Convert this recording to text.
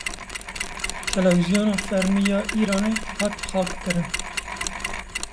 Televîzyona fermî ya Îranê hat hakkirin.